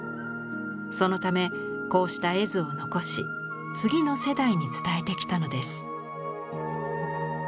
そのためこうした絵図を残し次の世代に伝えてきたのです。